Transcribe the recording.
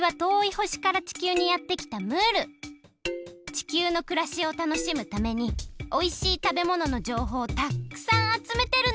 地球のくらしを楽しむためにおいしい食べもののじょうほうをたっくさんあつめてるの！